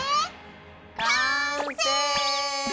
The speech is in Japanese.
完成！